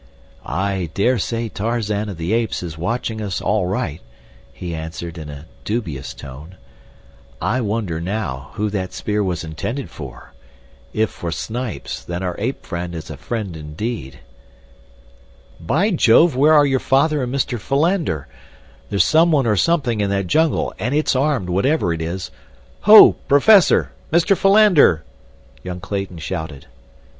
"I dare say Tarzan of the Apes is watching us all right," he answered, in a dubious tone. "I wonder, now, who that spear was intended for. If for Snipes, then our ape friend is a friend indeed. "By jove, where are your father and Mr. Philander? There's someone or something in that jungle, and it's armed, whatever it is. Ho! Professor! Mr. Philander!" young Clayton shouted.